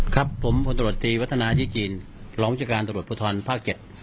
ครับผมภวนตรวจตรีวัฒนาที่จีนพลวจการตรวจภูทรภาค๗